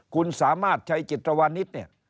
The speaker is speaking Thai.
คุณสามารถชัยจิตรวรรณิต